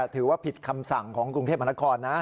ถือว่าผิดคำสั่งของกรุงเทพมหานครนะ